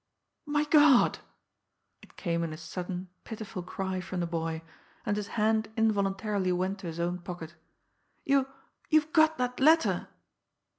"My God!" It came in a sudden, pitiful cry from the boy, and his hand involuntarily went to his own pocket. "You you've got that letter!"